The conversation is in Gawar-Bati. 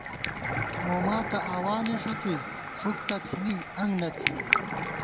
موما تہ اَوانے ݭڅوُئی، فُک تہ تھِنی انگ نہ تھنی